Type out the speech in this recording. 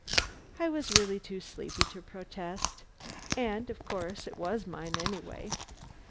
I was really too sleepy to protest, and of course it was mine anyway.